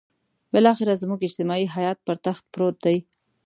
بالاخره زموږ اجتماعي حيات پر تخت پروت دی.